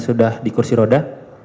sudah dikursi roda